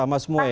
sama semua ya